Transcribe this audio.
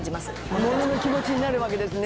物の気持ちになるわけですね。